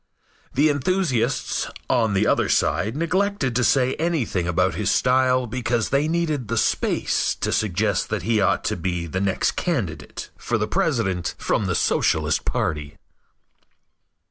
The enthusiasts on the other side neglected to say anything about his style because they needed the space to suggest that he ought to be the next candidate for president from the Socialist party.